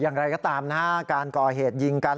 อย่างไรก็ตามนะฮะการก่อเหตุยิงกัน